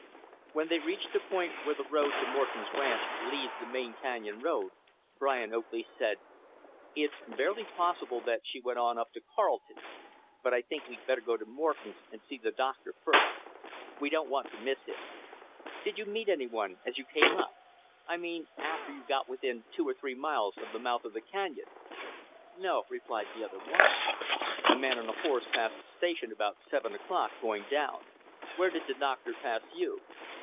When they reached the point where the road to Morton's ranch leaves the main canyon road, Brian Oakley said, "It's barely possible that she went on up to Carleton's. But I think we better go to Morton's and see the Doctor first. We don't want to miss him. Did you meet any one as you came up? I mean after you got within two or three miles of the mouth of the canyon?" "No," replied the other. "Why?" "A man on a horse passed the Station about seven o'clock, going down. Where did the Doctor pass you?"